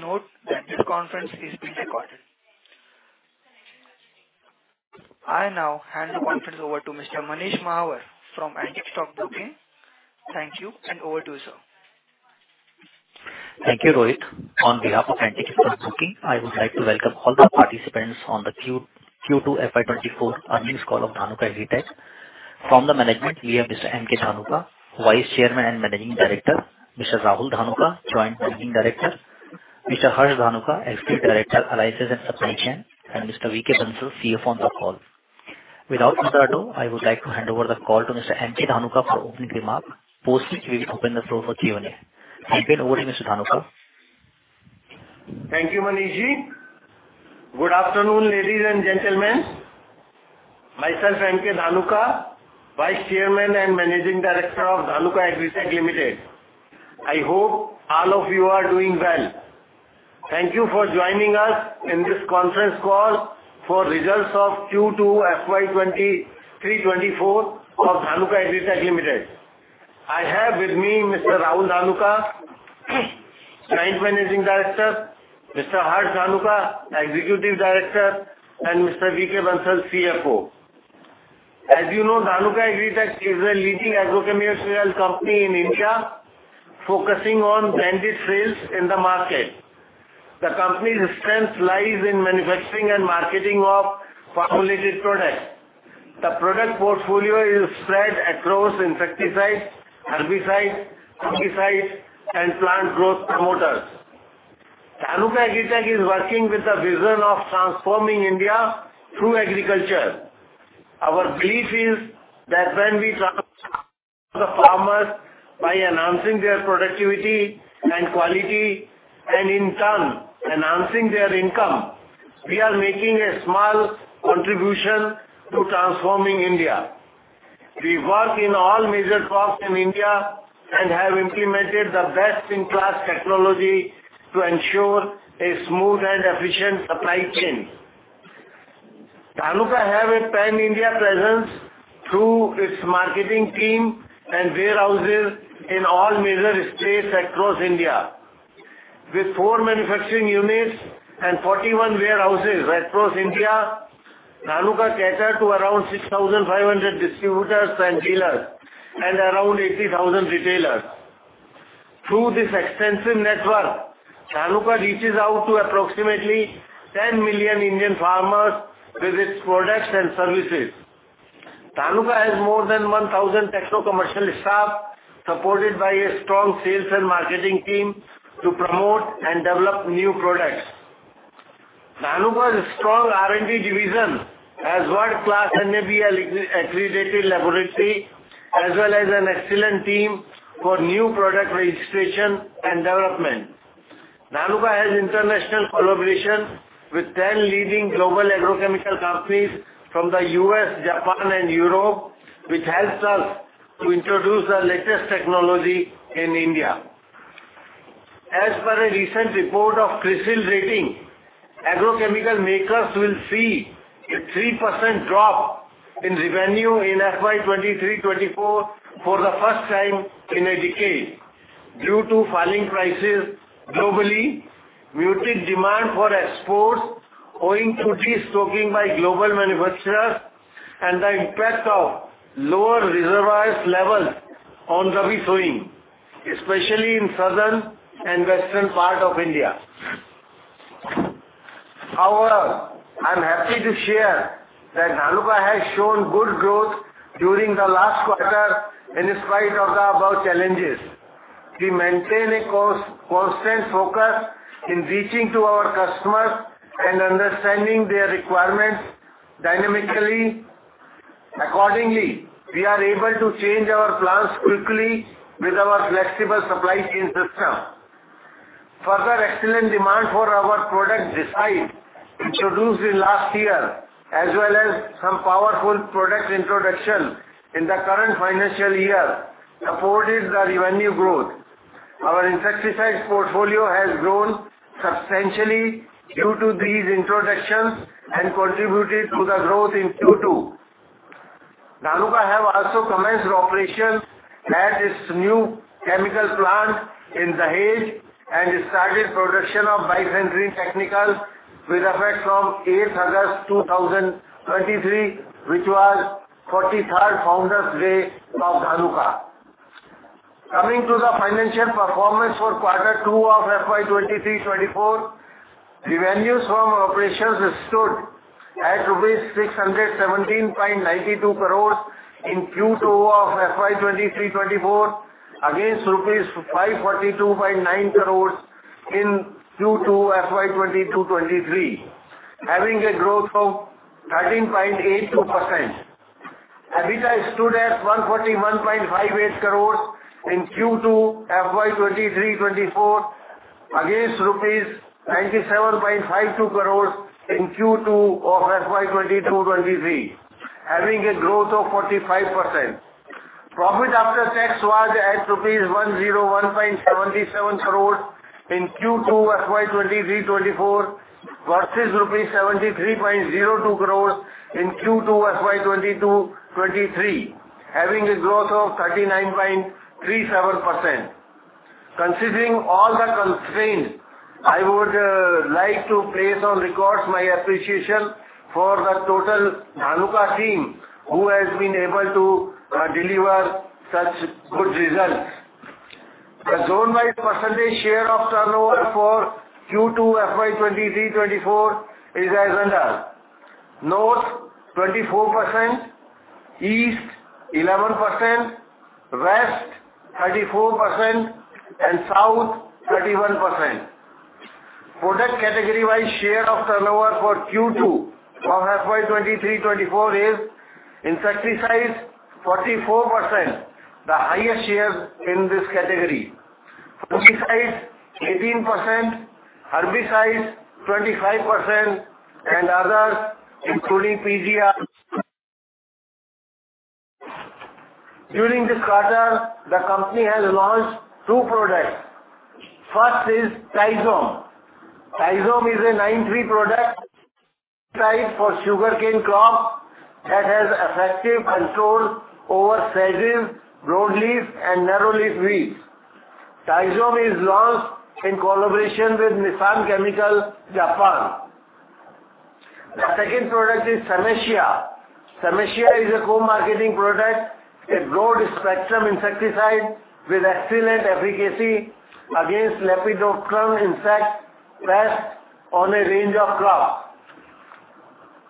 Please note that this conference is being recorded. I now hand the conference over to Mr. Manish Mahawar from Antique Stock Broking. Thank you, and over to you, sir. Thank you, Rohit. On behalf of Antique Stock Broking, I would like to welcome all the participants on the Q2 FY 2024 earnings call of Dhanuka Agritech. From the management, we have Mr. M.K. Dhanuka, Vice Chairman and Managing Director, Mr. Rahul Dhanuka, Joint Managing Director, Mr. Harsh Dhanuka, Executive Director, Alliances and Supply Chain, and Mr. V.K. Bansal, CFO on the call. Without further ado, I would like to hand over the call to Mr. M.K. Dhanuka for opening remarks, post which we will open the floor for Q&A. Thank you. Over to you, Mr. Dhanuka. Thank you, Manish. Good afternoon, ladies and gentlemen. Myself, M.K. Dhanuka, Vice Chairman and Managing Director of Dhanuka Agritech Limited. I hope all of you are doing well. Thank you for joining us in this conference call for results of Q2 FY 2023-2024 of Dhanuka Agritech Limited. I have with me Mr. Rahul Dhanuka, Joint Managing Director, Mr. Harsh Dhanuka, Executive Director, and Mr. V.K. Bansal, CFO. As you know, Dhanuka Agritech is a leading agrochemical company in India, focusing on branded sales in the market. The company's strength lies in manufacturing and marketing of formulated products. The product portfolio is spread across insecticides, herbicides, fungicides, and plant growth promoters. Dhanuka Agritech is working with a vision of transforming India through agriculture. Our belief is that when we transform the farmers by enhancing their productivity and quality, and in turn enhancing their income, we are making a small contribution to transforming India. We work in all major crops in India and have implemented the best-in-class technology to ensure a smooth and efficient supply chain. Dhanuka have a pan-India presence through its marketing team and warehouses in all major states across India. With 4 manufacturing units and 41 warehouses across India, Dhanuka cater to around 6,500 distributors and dealers and around 80,000 retailers. Through this extensive network, Dhanuka reaches out to approximately 10 million Indian farmers with its products and services. Dhanuka has more than 1,000 technical commercial staff, supported by a strong sales and marketing team, to promote and develop new products. Dhanuka's strong R&D division has world-class NABL-accredited laboratory, as well as an excellent team for new product registration and development. Dhanuka has international collaboration with 10 leading global agrochemical companies from the U.S., Japan, and Europe, which helps us to introduce the latest technology in India. As per a recent report of CRISIL rating, agrochemical makers will see a 3% drop in revenue in FY 2023-2024, for the first time in a decade, due to falling prices globally, muted demand for exports owing to destocking by global manufacturers, and the impact of lower reservoir levels on rabi sowing, especially in southern and western part of India. However, I'm happy to share that Dhanuka has shown good growth during the last quarter in spite of the above challenges. We maintain a constant focus in reaching to our customers and understanding their requirements dynamically. Accordingly, we are able to change our plans quickly with our flexible supply chain system. Further excellent demand for our product Decide, introduce in last year, as well as some powerful product introduction in the current financial year, supported the revenue growth. Our insecticides portfolio has grown substantially due to these introductions and contributed to the growth in Q2. Dhanuka have also commenced operations at its new chemical plant in Dahej, and it started production of Bifenthrin technical with effect from 8 August 2023, which was 43rd Founders Day of Dhanuka. Coming to the financial performance for quarter 2 of FY 2023-24, the revenues from operations stood at INR 617.92 crores in Q2 of FY 2023-24, against INR 542.9 crores in Q2 FY 2022-23, having a growth of 13.82%. EBITDA stood at 141.58 crores in Q2 FY 2023-24, against rupees 97.52 crores in Q2 of FY 2022-23, having a growth of 45%. Profit after tax was at rupees 101.77 crores in Q2 FY 2023-24 versus rupees 73.02 crores in Q2 FY 2022-23, having a growth of 39.37%. Considering all the constraints, I would like to place on record my appreciation for the total Dhanuka team, who has been able to deliver such good results. The zone-wise percentage share of turnover for Q2 FY 2023-24 is as under: North, 24%; East, 11%; West, 34%; and South, 31%. Product category-wise share of turnover for Q2 of FY 2023-24 is insecticide, 44%, the highest share in this category. Fungicides, 18%; herbicides, 25%; and others, including PGR. During this quarter, the company has launched 2 products. First is Tizom. Tizom is a 9(3) product type for sugarcane crop that has effective control over sedges, broadleaf, and narrow-leaf weeds. Tizom is launched in collaboration with Nissan Chemical, Japan. The second product is Semcia. Semcia is a co-marketing product, a broad-spectrum insecticide with excellent efficacy against lepidopteran insect pests on a range of crops.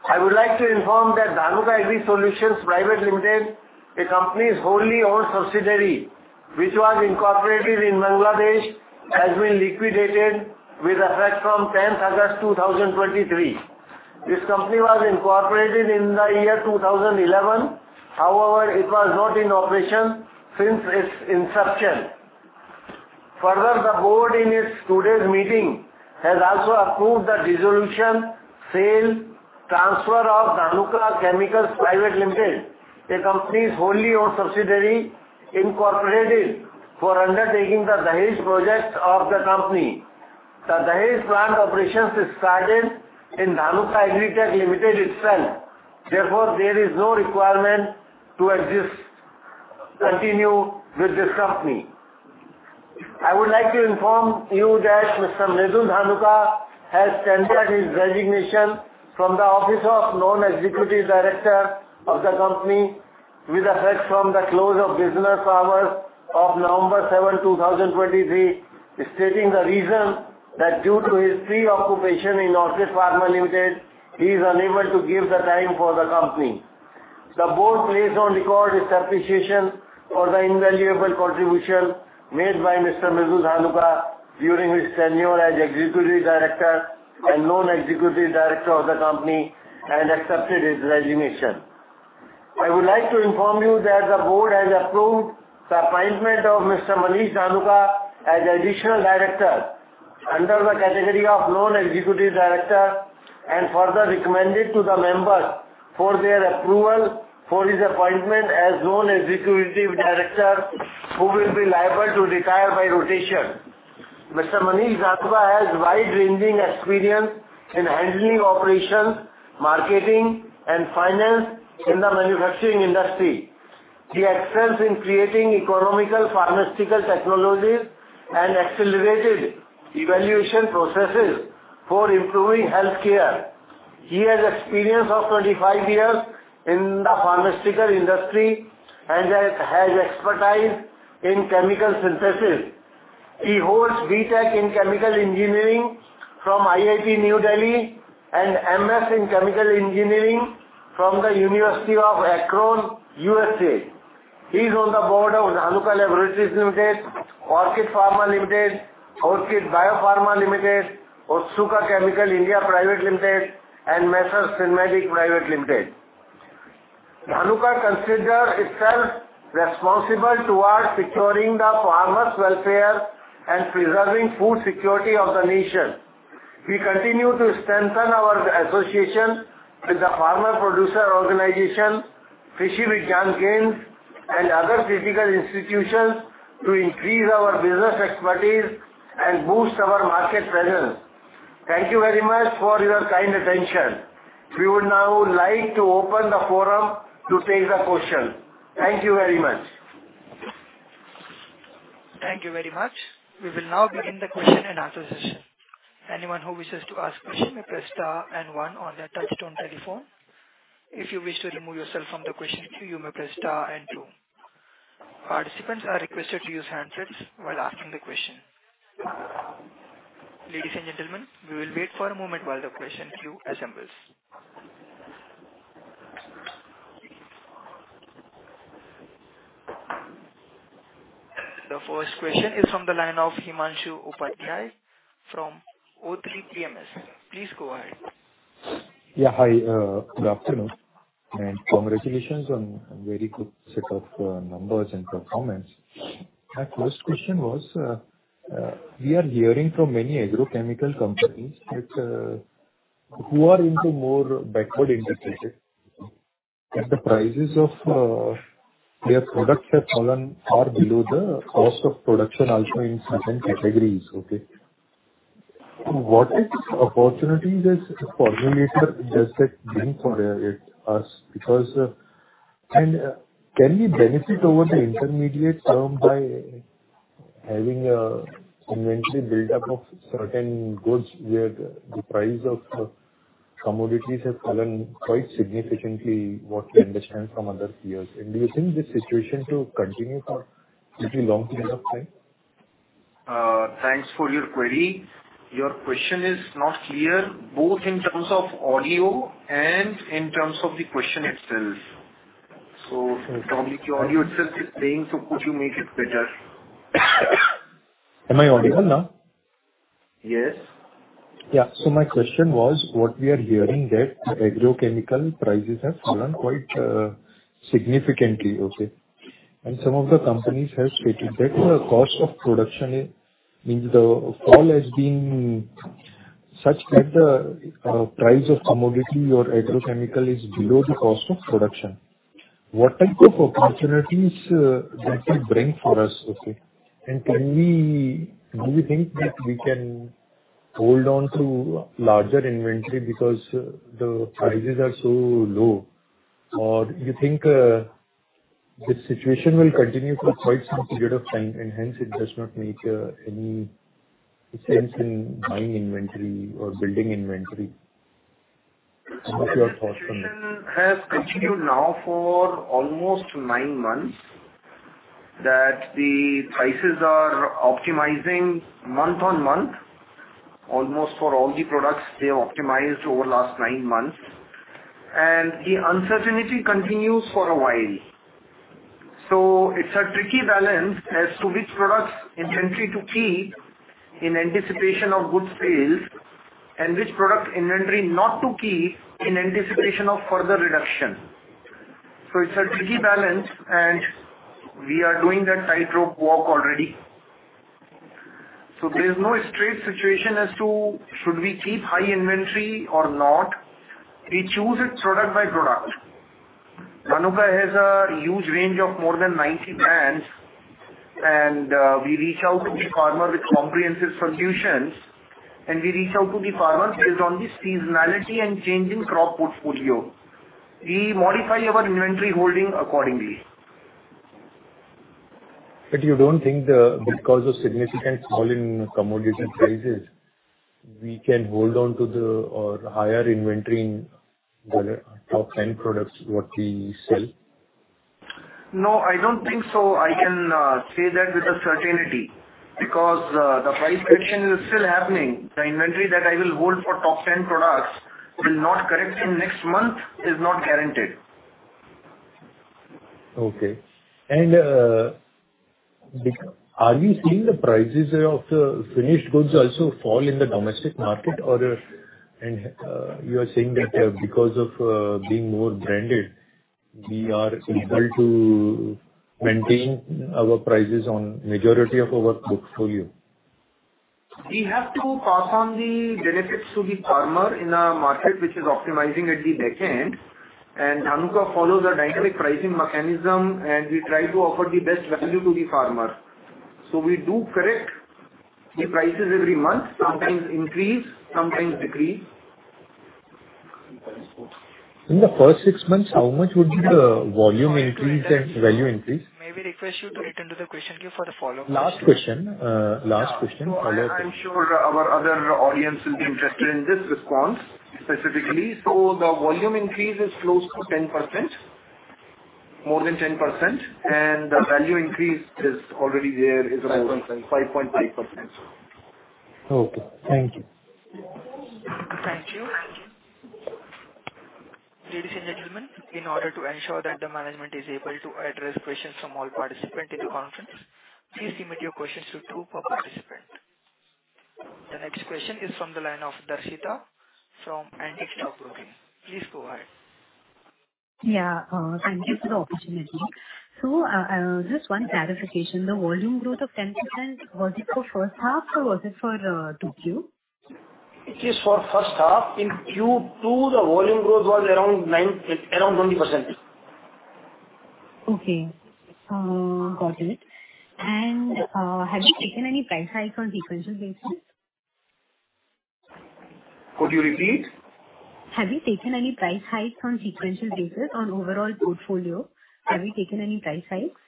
I would like to inform that Dhanuka Agri Solutions Private Limited, a company's wholly owned subsidiary, which was incorporated in Bangladesh, has been liquidated with effect from 10th August 2023. This company was incorporated in the year 2011. However, it was not in operation since its inception. Further, the board in its today's meeting has also approved the dissolution, sale, transfer of Dhanuka Chemicals Private Limited, the company's wholly owned subsidiary, incorporated for undertaking the Dahej projects of the company. The Dahej plant operations started in Dhanuka Agritech Limited itself, therefore, there is no requirement to exist, continue with this company. I would like to inform you that Mr. Mridul Dhanuka has tendered his resignation from the office of Non-Executive Director of the company with effect from the close of business hours of November 7, 2023, stating the reason that due to his pre-occupation in Orchid Pharma Limited, he is unable to give the time for the company. The board places on record its appreciation for the invaluable contribution made by Mr. Mridul Dhanuka during his tenure as Executive Director and Non-Executive Director of the company, and accepted his resignation. I would like to inform you that the board has approved the appointment of Mr. Manish Dhanuka as Additional Director under the category of Non-Executive Director, and further recommended to the members for their approval for his appointment as Non-Executive Director, who will be liable to retire by rotation. Mr. Manish Dhanuka has wide-ranging experience in handling operations, marketing, and finance in the manufacturing industry. He excels in creating economical pharmaceutical technologies and accelerated evaluation processes for improving healthcare. He has experience of 25 years in the pharmaceutical industry and has expertise in chemical synthesis. He holds B.Tech. in Chemical Engineering from IIT, New Delhi, and M.S. in Chemical Engineering from the University of Akron, USA. He's on the board of Dhanuka Laboratories Limited, Orchid Pharma Limited, Orchid Bio-Pharma Limited, Otsuka Chemical (India) Private Limited, and Synmedics Laborations. Dhanuka considers itself responsible towards securing the farmers' welfare and preserving food security of the nation. We continue to strengthen our association with the farmer producer organization, Krishi Vigyan Kendras, and other critical institutions to increase our business expertise and boost our market presence. Thank you very much for your kind attention. We would now like to open the forum to take questions. Thank you very much. Thank you very much. We will now begin the question and answer session. Anyone who wishes to ask question may press star and one on their touchtone telephone. If you wish to remove yourself from the question queue, you may press star and two. Participants are requested to use handsets while asking the question. Ladies and gentlemen, we will wait for a moment while the question queue assembles. The first question is from the line of Himanshu Upadhyay from O3 Capital. Please go ahead. Yeah. Hi, good afternoon, and congratulations on a very good set of numbers and performance. My first question was, we are hearing from many agrochemical companies that who are into more backward integrated and the prices of their products have fallen far below the cost of production, also in certain categories, okay? What is opportunities this formulator does it bring for us? Because, can we benefit over the intermediate term by having a inventory buildup of certain goods where the price of the commodities has fallen quite significantly, what we understand from other peers. And do you think this situation to continue for pretty long period of time? Thanks for your query. Your question is not clear, both in terms of audio and in terms of the question itself. So probably your audio itself is playing, so could you make it better? Am I audible now? Yes. Yeah. So my question was, what we are hearing that agrochemical prices have fallen quite significantly, okay? And some of the companies have stated that the cost of production is, means the fall has been such that the price of commodity or agrochemical is below the cost of production. What type of opportunities that will bring for us, okay? And can we- do you think that we can hold on to larger inventory because the prices are so low? Or you think this situation will continue for quite some period of time, and hence it does not make any sense in buying inventory or building inventory? What's your thought on that? Has continued now for almost nine months, that the prices are optimizing month-on-month. Almost for all the products, they optimized over the last nine months, and the uncertainty continues for a while. So it's a tricky balance as to which products inventory to keep in anticipation of good sales, and which product inventory not to keep in anticipation of further reduction. So it's a tricky balance, and we are doing that tightrope walk already. So there's no straight situation as to should we keep high inventory or not. We choose it product by product. Dhanuka has a huge range of more than 90 brands, and we reach out to the farmer with comprehensive solutions, and we reach out to the farmers based on the seasonality and change in crop portfolio. We modify our inventory holding accordingly. But you don't think the, because of significant fall in commodity prices, we can hold on to the higher inventory in the top 10 products what we sell? No, I don't think so. I can say that with a certainty, because the price action is still happening. The inventory that I will hold for top ten products will not correct in next month, is not guaranteed. Okay. Are you seeing the prices of the finished goods also fall in the domestic market? Or you are saying that because of being more branded, we are able to maintain our prices on majority of our portfolio. We have to pass on the benefits to the farmer in a market which is optimizing at the back end, and Dhanuka follows a dynamic pricing mechanism, and we try to offer the best value to the farmer. So we do correct the prices every month, sometimes increase, sometimes decrease. In the first six months, how much would be the volume increase and value increase? Maybe request you to attend to the question queue for the follow-up question. Last question, last question. I'm sure our other audience will be interested in this response specifically. The volume increase is close to 10%, more than 10%, and the value increase is already there, is around 5.5%. Okay, thank you. Thank you. Ladies and gentlemen, in order to ensure that the management is able to address questions from all participants in the conference, please limit your questions to two per participant. The next question is from the line of Darshita from Antique Stock Broking. Please go ahead. Yeah, thank you for the opportunity. So, just one clarification, the volume growth of 10%, was it for first half or was it for 2Q? It is for first half. In Q2, the volume growth was around 9, around 20%. Okay. Got it. And, have you taken any price hike on sequential basis? Could you repeat? Have you taken any price hikes on sequential basis on overall portfolio? Have you taken any price hikes?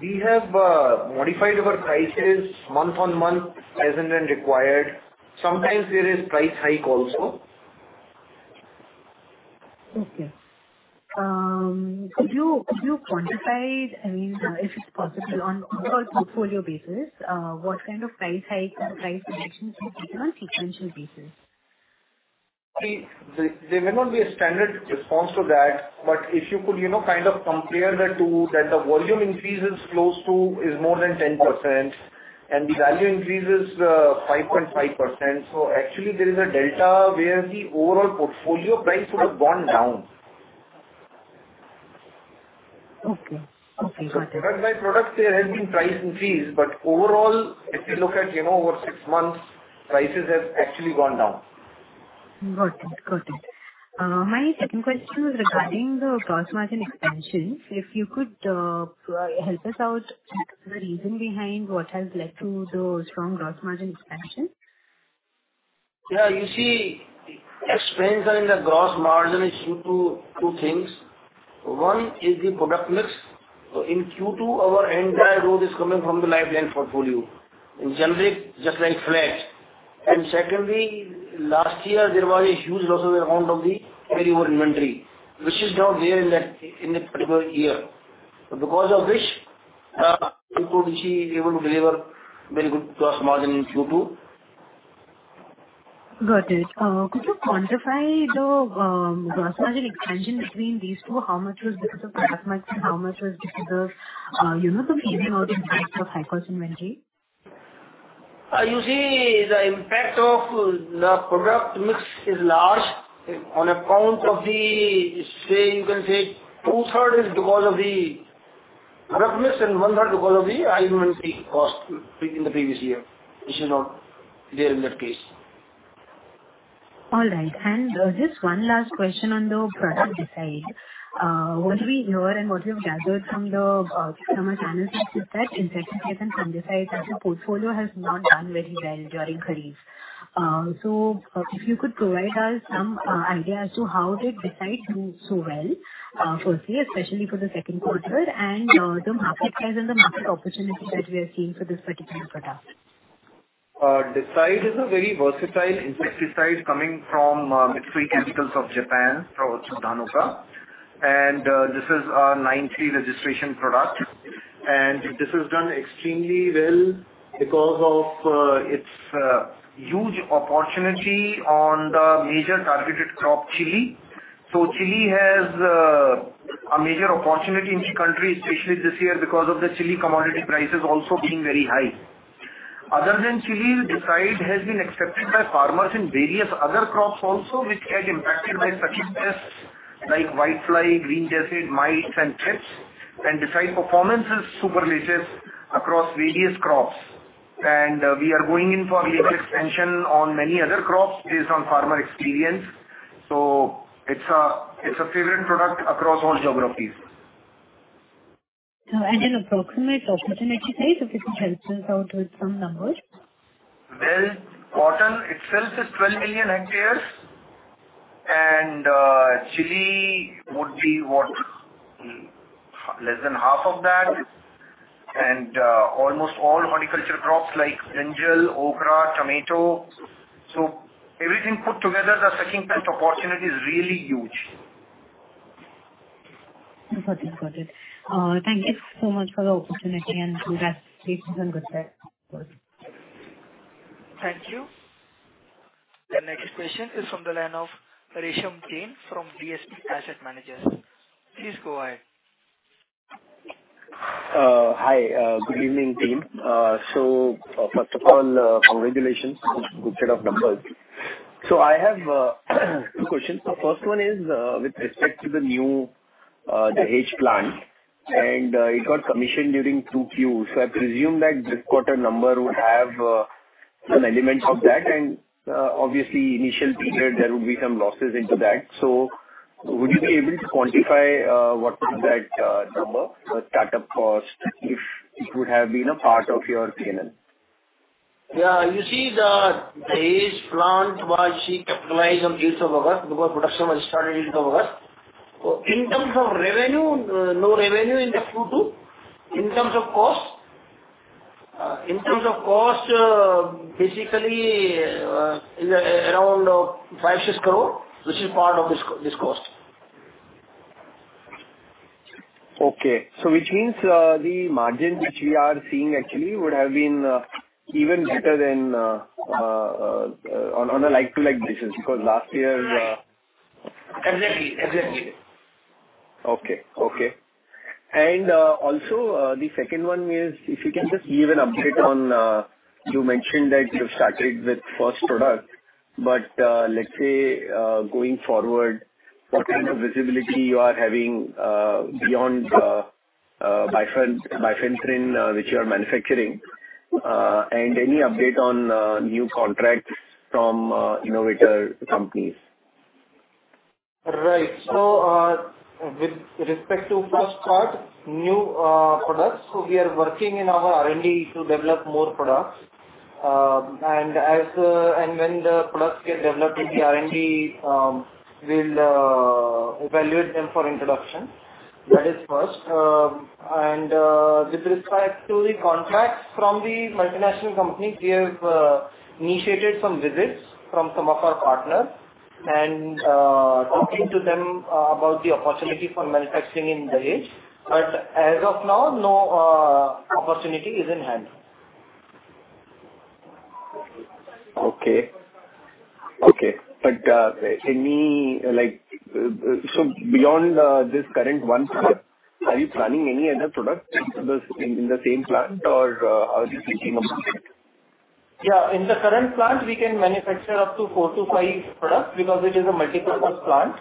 We have modified our prices month-on-month, as and when required. Sometimes there is price hike also. Okay. Could you quantify, I mean, if it's possible, on overall portfolio basis, what kind of price hike and price reduction you've taken on sequential basis? There may not be a standard response to that, but if you could, you know, kind of compare that to the volume increase is close to, is more than 10%, and the value increase is 5.5%. So actually, there is a delta where the overall portfolio price would have gone down. Okay, got it. Product by product, there has been price increase, but overall, if you look at, you know, over six months, prices have actually gone down. Got it. My second question regarding the gross margin expansion, if you could, help us out the reason behind what has led to the strong gross margin expansion? Yeah, you see, expansion in the gross margin is due to two things. One is the product mix. In Q2, our entire growth is coming from the lifeline portfolio, in generic, just like flat. And secondly, last year there was a huge loss of amount of the inventory, which is now there in that, in that particular year. Because of which, we could see able to deliver very good gross margin in Q2. Got it. Could you quantify the gross margin expansion between these two? How much was because of product mix and how much was because you know, the evening out impact of high cost inventory? You see, the impact of the product mix is large on account of the, say, you can say two-thirds is because of the product mix and one-third because of the high inventory cost in the previous year, which is not there in that case. All right. And just one last question on the product side. What we hear and what we've gathered from the customer channels is that insecticide and fungicide as a portfolio has not done very well during Kharif. So if you could provide us some idea as to how did Decide do so well, firstly, especially for the second quarter, and the market size and the market opportunity that we are seeing for this particular product. Decide is a very versatile insecticide coming from Mitsui Chemicals of Japan, from Dhanuka. This is our 90 registration product, and this has done extremely well because of its huge opportunity on the major targeted crop, chili. So chili has a major opportunity in country, especially this year, because of the chili commodity prices also being very high. Other than chili, Decide has been accepted by farmers in various other crops also, which get impacted by such pests like whitefly, green jassid, mites, and thrips. Decide performance is super efficacious across various crops, and we are going in for range extension on many other crops based on farmer experience. So it's a, it's a favorite product across all geographies. Any approximate opportunity size, if you could help us out with some numbers? Well, cotton, it sells at 12 million hectares, and chili would be, what? Less than half of that. And almost all horticulture crops like brinjal, okra, tomato. So everything put together, the second pest opportunity is really huge. Got it. Got it. Thank you so much for the opportunity and congratulations on good set. Thank you. The next question is from the line of Resham Jain from DSP Asset Managers. Please go ahead. Hi. Good evening, team. So first of all, congratulations. Good set of numbers. So I have two questions. The first one is, with respect to the new Dahej plant, and it got commissioned during Q2. So I presume that this quarter number would have some element of that, and obviously, initial period, there would be some losses into that. So would you be able to quantify what was that number, the startup cost, if it would have been a part of your PNL? Yeah, you see, the Dahej plant was capitalized on eighth of August, because production was started in August. In terms of revenue, no revenue in the Q2. In terms of cost, in terms of cost, basically, is around 5-6 crore, which is part of this, this cost. Okay. So which means, the margin which we are seeing actually would have been even better than on a like-to-like basis, because last year's, Exactly. Exactly. Okay. Okay. And, also, the second one is, if you can just give an update on, you mentioned that you've started with first product, but, let's say, going forward, what kind of visibility you are having, beyond, Bifenthrin, which you are manufacturing, and any update on, new contracts from, innovator companies? Right. So, with respect to first part, new products, so we are working in our R&D to develop more products. And as and when the products get developed in the R&D, we'll evaluate them for introduction. That is first. And with respect to the contracts from the multinational companies, we have initiated some visits from some of our partners and talking to them about the opportunity for manufacturing in Dahej. But as of now, no opportunity is in hand. Okay. Okay, but any, like, so beyond this current one product, are you planning any other product in the same plant or are you thinking about it? ... Yeah, in the current plant, we can manufacture up to 4-5 products because it is a multi-purpose plant,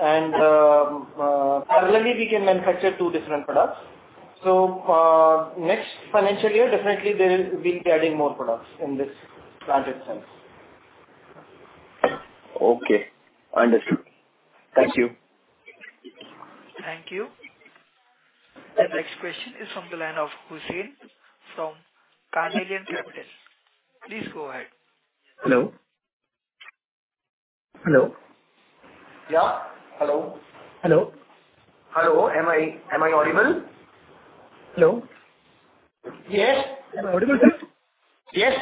and presently we can manufacture 2 different products. So, next financial year, definitely there will be adding more products in this plant itself. Okay, understood. Thank you. Thank you. The next question is from the line of Hussein from Carnelian Capital. Please go ahead. Hello? Hello. Yeah. Hello. Hello. Hello. Am I audible? Hello. Yes. Am I audible, sir? Yes.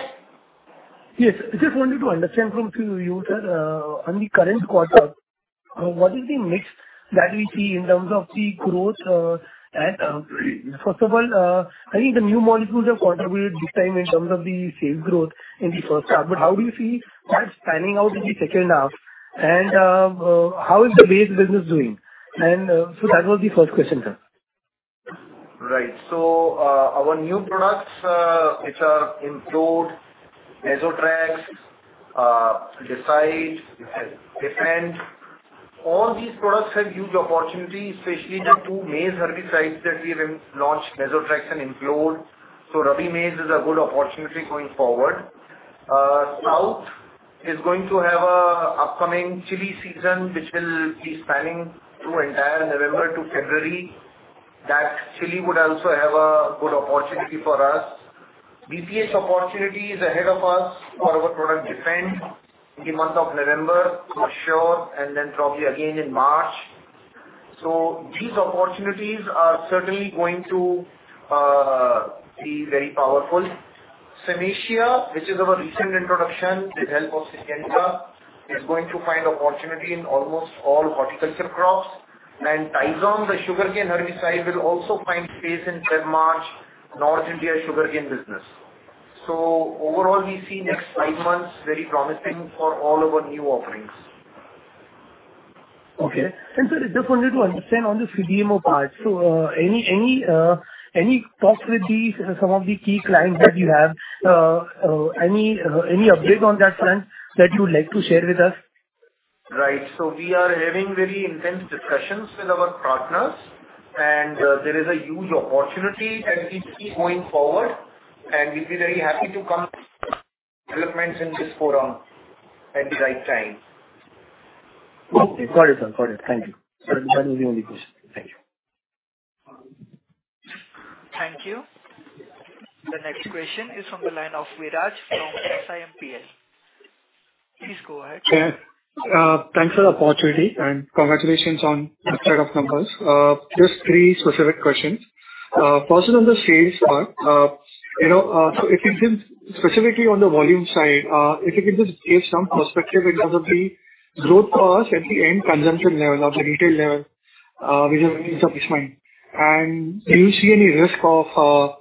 Yes. I just wanted to understand from you, sir, on the current quarter, what is the mix that we see in terms of the growth, and first of all, I think the new molecules have contributed big time in terms of the sales growth in the first half, but how do you see that panning out in the second half? And how is the base business doing? And so that was the first question, sir. Right. So, our new products, which are employed, Mesotrax, Decide, Defend. All these products have huge opportunities, especially the two maize herbicides that we have launched, Mesotrax and Implode. So Rabi maize is a good opportunity going forward. South is going to have an upcoming chili season, which will be spanning through entire November to February. That chili would also have a good opportunity for us. BPH opportunity is ahead of us for our product Defend in the month of November, for sure, and then probably again in March. So these opportunities are certainly going to be very powerful. Semcia, which is our recent introduction, with help of Syngenta, is going to find opportunity in almost all horticulture crops. And Tizom, the sugarcane herbicide, will also find space in March, North India sugarcane business. Overall, we see next five months very promising for all of our new offerings. Okay. And so I just wanted to understand on the CDMO part. So, any talks with some of the key clients that you have, any update on that front that you would like to share with us? Right. So we are having very intense discussions with our partners, and there is a huge opportunity as we see going forward, and we'd be very happy to come developments in this forum at the right time. Okay, got it, sir. Got it. Thank you. So that is the only question. Thank you. Thank you. The next question is from the line of Viraj from SiMPL. Please go ahead. Yeah. Thanks for the opportunity and congratulations on the set of numbers. Just three specific questions. First on the sales part, you know, so if you can, specifically on the volume side, if you could just give some perspective in terms of the growth cost at the end consumption level, of the retail level, which is in the customer. And do you see any risk of,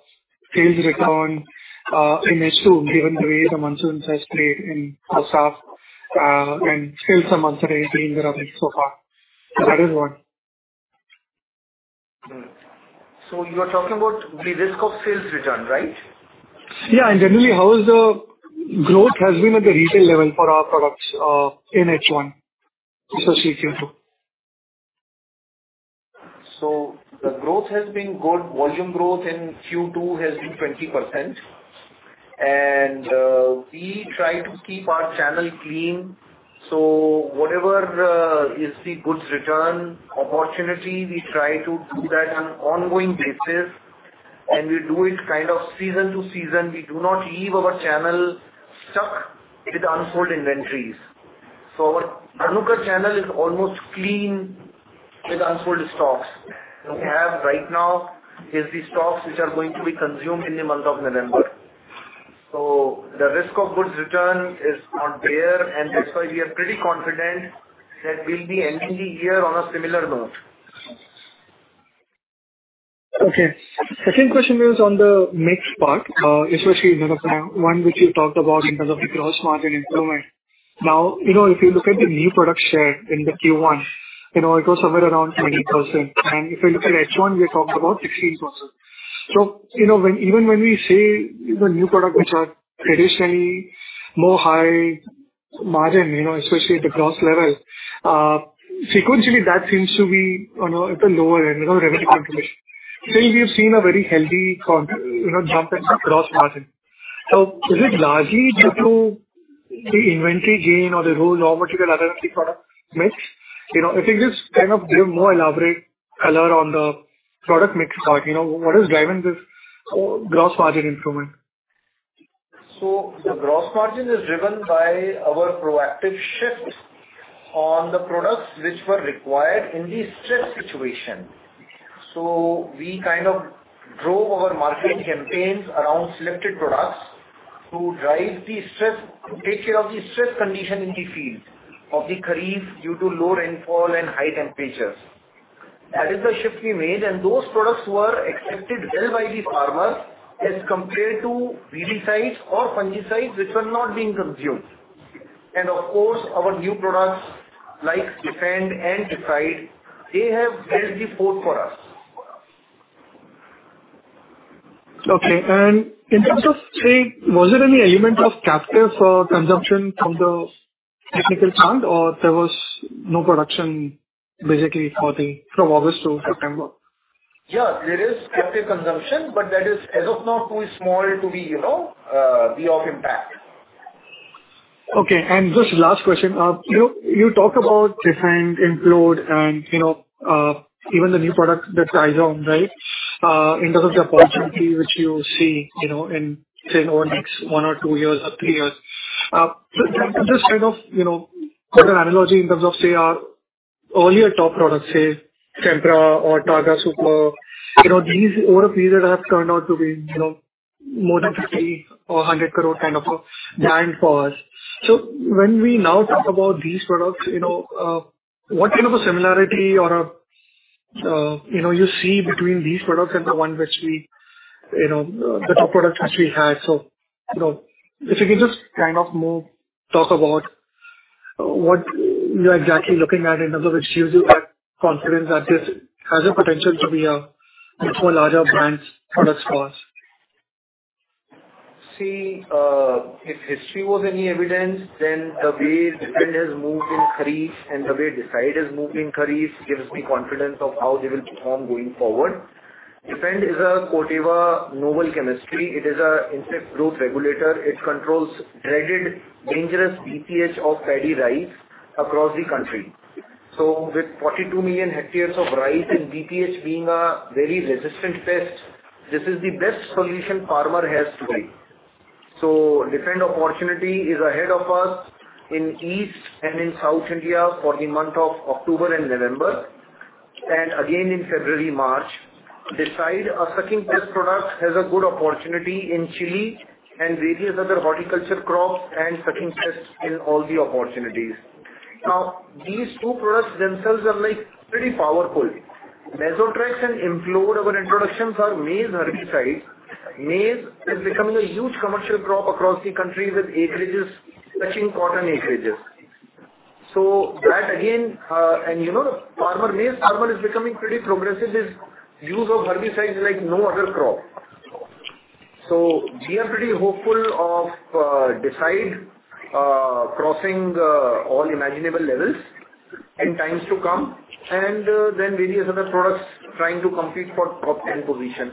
sales return, in H2, given the way the monsoon has played in the South, and still some months are remaining so far? That is one. You are talking about the risk of sales return, right? Yeah. And generally, how is the growth has been at the retail level for our products, in H1, especially Q2? So the growth has been good. Volume growth in Q2 has been 20%. And, we try to keep our channel clean, so whatever, is the goods return opportunity, we try to do that on ongoing basis, and we do it kind of season to season. We do not leave our channel stuck with unsold inventories. So our Dhanuka channel is almost clean with unsold stocks. What we have right now is the stocks which are going to be consumed in the month of November. So the risk of goods return is not there, and that's why we are pretty confident that we'll be ending the year on a similar note. Okay. Second question is on the mix part, especially the one which you talked about in terms of the gross margin improvement. Now, you know, if you look at the new product share in the Q1, you know, it was somewhere around 20%. And if you look at H1, we talked about 16%. So, you know, when even we say the new products which are traditionally more high margin, you know, especially at the gross level, sequentially, that seems to be on a, at the lower end of the revenue contribution. Still, we've seen a very healthy, you know, jump in the gross margin. So is it largely due to the inventory gain or the whole vertical other product mix? You know, if you just kind of give more elaborate color on the product mix part, you know, what is driving this overall gross margin improvement? The gross margin is driven by our proactive shifts on the products which were required in the stress situation. We kind of drove our marketing campaigns around selected products to drive the stress, to take care of the stress condition in the field during the Kharif due to low rainfall and high temperatures. That is the shift we made, and those products were accepted well by the farmers as compared to weedicides or fungicides, which were not being consumed. Of course, our new products, like Defend and Decide, they have held the fort for us. Okay. In terms of, say, was there any element of captive consumption from the technical plant or there was no production basically for the from August to September? Yeah, there is captive consumption, but that is as of now too small to be, you know, be of impact. Okay. Just last question. You, you talk about Defend, Implode, and, you know, even the new products that Tizom, right? In terms of the opportunity which you see, you know, in, say, over the next 1 or 2 years or 3 years. Just, just kind of, you know, put an analogy in terms of, say, all your top products, say, Sempra or Targa Super. You know, these all of these that have turned out to be, you know, more than 50 or 100 crore kind of a brand for us. So when we now talk about these products, you know, what kind of a similarity or, you know, you see between these products and the one which we, you know, the top products which we had. You know, if you can just kind of more talk about what you're exactly looking at in terms of which gives you a confidence that this has a potential to be a much more larger brands products for us. See, if history was any evidence, then the way Defend has moved in Kharif and the way Decide has moved in Kharif, gives me confidence of how they will perform going forward. Defend is a Corteva novel chemistry. It is a insect growth regulator. It controls dreaded dangerous BPH of paddy rice across the country. So with 42 million hectares of rice and BPH being a very resistant pest, this is the best solution farmer has today. So Defend opportunity is ahead of us in East and in South India for the month of October and November, and again in February, March. Decide, a sucking pest product, has a good opportunity in chili and various other horticulture crops and sucking pests in all the opportunities. Now, these two products themselves are, like, pretty powerful. Mesotrax and Implode, our introductions, are maize herbicides. Maize is becoming a huge commercial crop across the country, with acreages touching cotton acreages. So that again, and you know, maize farmer is becoming pretty progressive. His use of herbicides is like no other crop. So we are pretty hopeful of Decide crossing all imaginable levels in times to come, and then various other products trying to compete for top end position.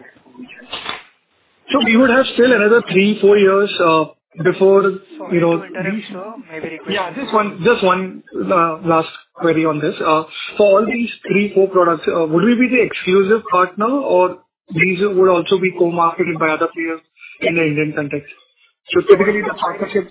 So we would have still another 3-4 years, you know- Sorry to interrupt, sir. My very question. Yeah, just one, just one, last query on this. For all these three, four products, would we be the exclusive partner or these would also be co-marketed by other players in the Indian context? So typically the partnership-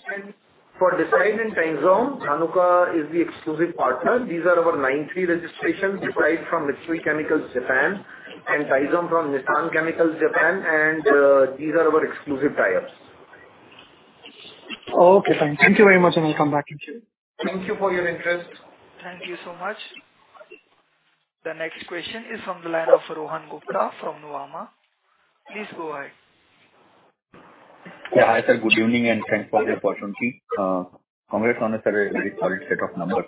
For Decide and Tizom, Dhanuka is the exclusive partner. These are our 93 registrations, Decide from Mitsui Chemicals, Japan, and Tizom from Nissan Chemical, Japan, and these are our exclusive tie-ups. Okay, fine. Thank you very much, and I'll come back to you. Thank you for your interest. Thank you so much. The next question is from the line of Rohan Gupta from Nuvama. Please go ahead. Yeah. Hi, sir, good evening, and thanks for the opportunity. Congrats on a very, very solid set of numbers.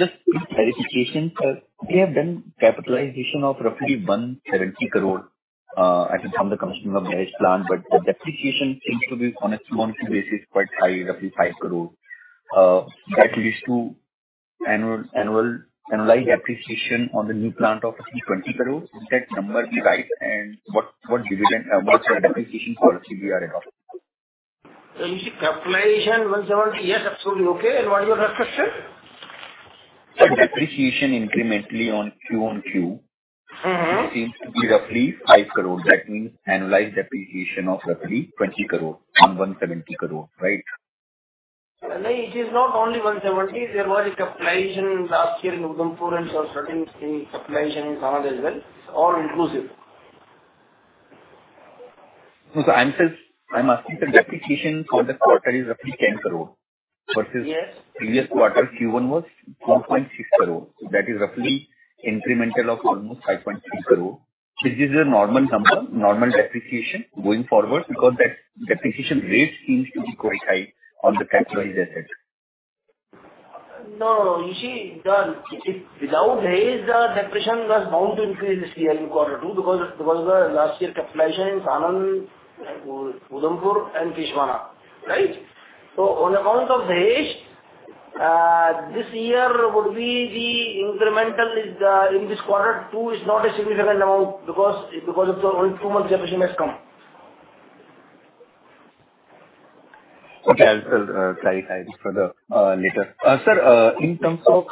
Just verification, sir. We have done capitalization of roughly 170 crore, I think, from the commission of the latest plant, but the depreciation seems to be on a month-to-month basis, quite high, roughly 5 crore. That leads to annual depreciation on the new plant of 20 crore. Is that number be right? And what, what dividend, what's your depreciation policy we are adopt? You see, capitalization INR 170, yes, absolutely okay. What is your question? The depreciation incrementally on Q seems to be roughly 5 crore. That means annualized depreciation of roughly 20 crore on 170 crore, right? It is not only 170. There was a capitalization last year in Udhampur and certain capitalization in Sanand as well. It's all inclusive. I'm asking the depreciation for the quarter is roughly 10 crore versus- Yes. Previous quarter, Q1 was 2.6 crore. That is roughly incremental of almost 5.3 crore. This is a normal number, normal depreciation going forward, because that depreciation rate seems to be quite high on the capitalized asset. No, you see, the, without raise, the depreciation was bound to increase this year in quarter two, because of, because of the last year capitalization in Anand, Udhampur, and Keshwana. Right? So on account of the raise, this year would be the incremental is, in this quarter two is not a significant amount because, because of the only two months depreciation has come. Okay, I'll clarify this further later. Sir, in terms of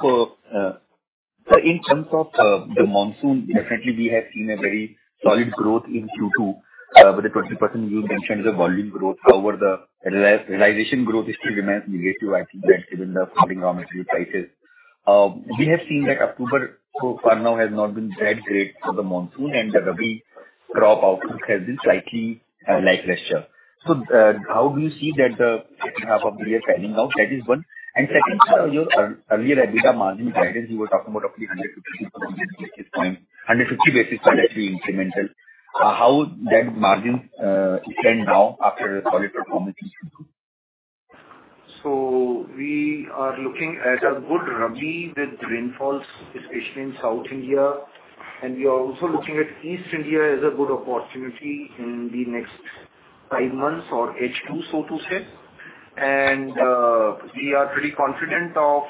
the monsoon, definitely we have seen a very solid growth in Q2 with the 20% you mentioned the volume growth. However, the realization growth is still remains negative, I think, given the coming raw material prices. We have seen that October so far now has not been that great for the monsoon, and the Rabi crop output has been slightly lackluster. So, how do you see the second half of the year panning out? That is one. And second, sir, your earlier EBITDA margin guidance, you were talking about roughly 150 basis points, 150 basis points actually incremental. How that margin stand now after a solid performance in Q2? So we are looking at a good Rabi with rainfalls, especially in South India, and we are also looking at East India as a good opportunity in the next five months or H2, so to say. And we are pretty confident of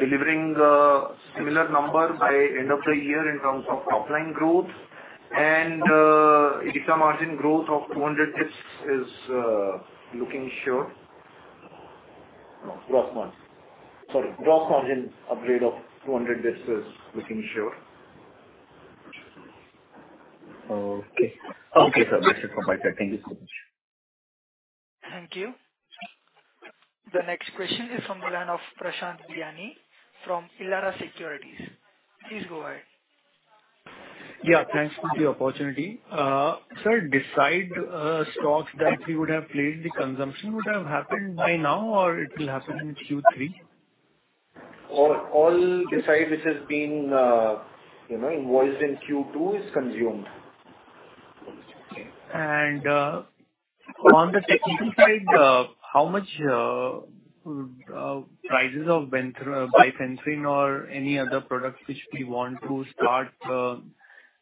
delivering a similar number by end of the year in terms of top line growth. And EBITDA margin growth of 200 basis points is looking sure. No, gross margin. Sorry, gross margin upgrade of 200 basis points is looking sure. Okay. Okay, sir. That's it from my side. Thank you so much. Thank you. The next question is from the line of Prashant Biyani from Elara Securities. Please go ahead. Yeah, thanks for the opportunity. Sir, Decide, stocks that we would have played, the consumption would have happened by now, or it will happen in Q3? All, all Decide which has been, you know, involved in Q2 is consumed. On the technical side, how much prices of Bifenthrin or any other products which we want to start,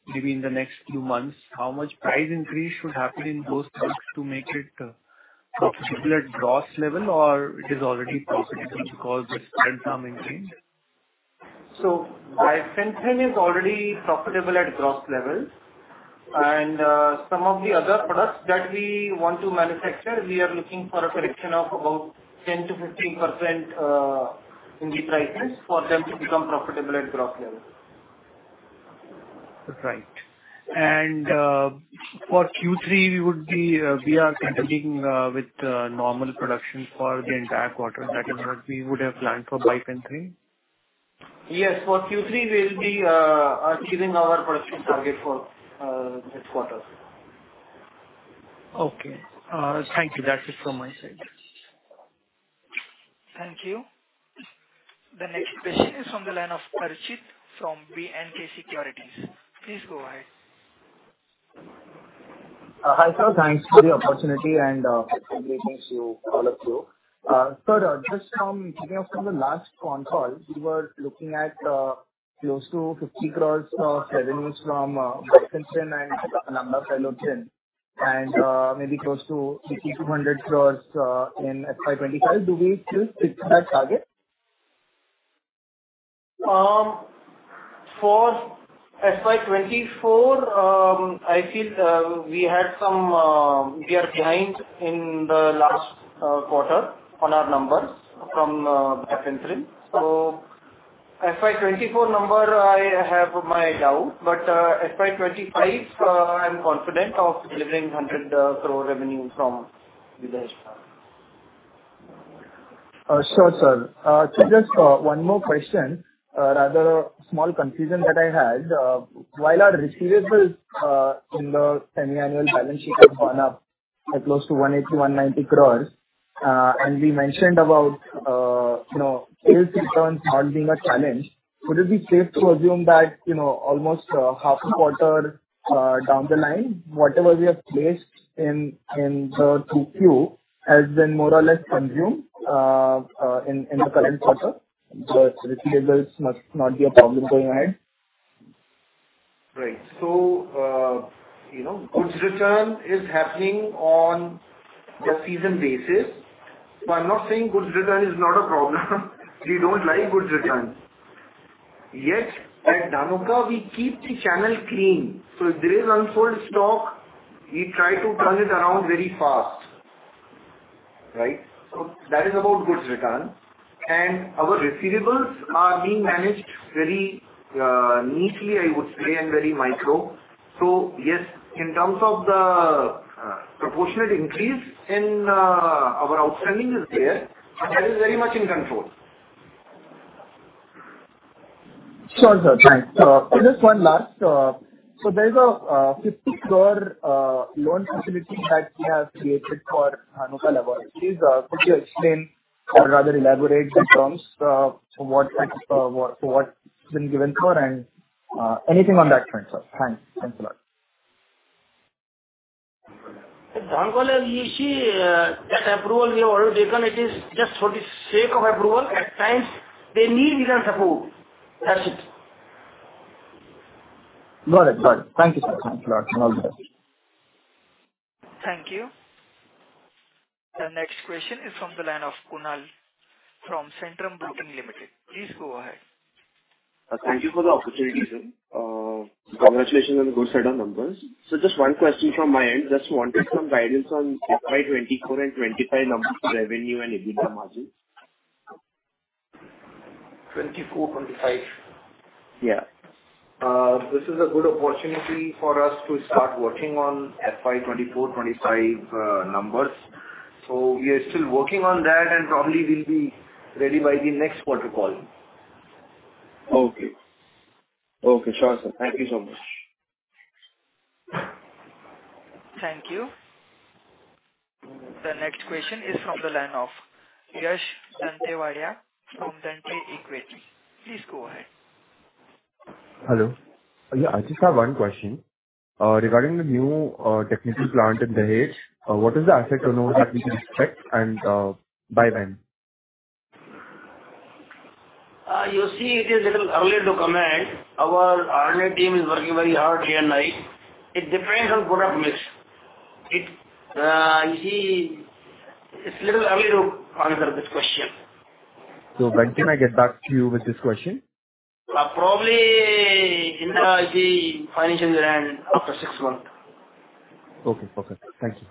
maybe in the next few months, how much price increase should happen in those products to make it profitable at gross level, or it is already profitable because the sales are maintained? Bifenthrin is already profitable at gross level. Some of the other products that we want to manufacture, we are looking for a correction of about 10%-15% in the prices for them to become profitable at gross level. Right. And, for Q3, we would be, we are continuing with normal production for the entire quarter. That is what we would have planned for Bifenthrin? Yes. For Q3, we will be achieving our production target for this quarter. Okay. Thank you. That's it from my side. Thank you. The next question is from the line of Harshit from B&K Securities. Please go ahead. Hi, sir, thanks for the opportunity and greetings to all of you. Sir, just from picking up from the last call, we were looking at close to 50 crores of revenues from Bifenthrin and another 10, and maybe close to 6,200 crores in FY 2025. Do we still stick to that target? For FY 2024, I feel we had some; we are behind in the last quarter on our numbers from Bifenthrin. So FY 2024 number, I have my doubt, but FY 2025, I'm confident of delivering 100 crore revenue from Videsh. Sure, sir. So just one more question, rather a small confusion that I had. While our receivables in the semi-annual balance sheet have gone up at close to 180-190 crores, and we mentioned about, you know, sales returns not being a challenge, would it be safe to assume that, you know, almost half a quarter down the line, whatever we have placed in the 2Q has been more or less consumed in the current quarter, but receivables must not be a problem going ahead? Right. So, you know, goods return is happening on a season basis. But I'm not saying goods return is not a problem. We don't like goods return. Yet, at Dhanuka, we keep the channel clean, so if there is unsold stock, we try to turn it around very fast. Right? So that is about goods return. And our receivables are being managed very, neatly, I would say, and very micro. So yes, in terms of the, proportionate increase in, our outstanding is there, but that is very much in control. Sure, sir. Thanks. Just one last. So there's a 50 crore loan facility that we have created for Dhanuka Laboratories. Could you explain or rather elaborate the terms for what it's been given for and anything on that front, sir? Thanks. Thanks a lot. Dhanuka, you see, that approval we have already taken, it is just for the sake of approval. At times, they need even support. That's it. Got it. Got it. Thank you, sir. Thanks a lot. All the best. Thank you. The next question is from the line of Kunal from Centrum Broking Limited. Please go ahead. Thank you for the opportunity, sir. Congratulations on the good set of numbers. So just one question from my end. Just wanted some guidance on FY 2024 and 2025 numbers, revenue, and EBITDA margins. Twenty-four, twenty-five? Yeah. This is a good opportunity for us to start working on FY 2024, 2025 numbers. So we are still working on that, and probably we'll be ready by the next quarter call. Okay. Okay, sure, sir. Thank you so much. Thank you. The next question is from the line of Yash Dantewadia from Dante Equity. Please go ahead. Hello. Yeah, I just have one question. Regarding the new technical plant in Dahej, what is the asset or not that we should expect and by when? You see, it is a little early to comment. Our R&D team is working very hard day and night. It depends on product mix. You see, it's a little early to answer this question. When can I get back to you with this question? Probably in the financial year end, after six months. Okay. Perfect. Thank you.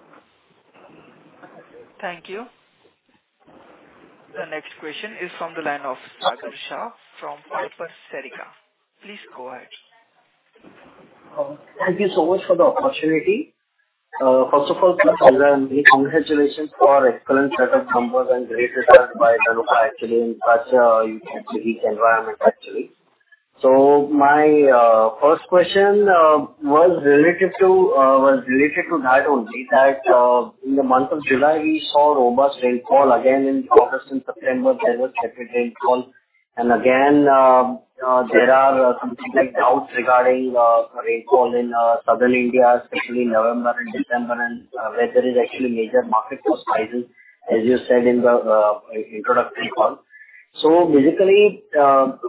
Thank you. The next question is from the line of Sagar Shah from Piper Serica. Please go ahead. Thank you so much for the opportunity. First of all, congratulations for excellent set of numbers and great results by Dhanuka actually, in such a unique environment, actually. So my first question was related to that only, that in the month of July, we saw robust rainfall again in August and September, there was separate rainfall. And again, there are some specific doubts regarding rainfall in Southern India, especially in November and December, and where there is actually major market for spices, as you said in the introductory call. So basically,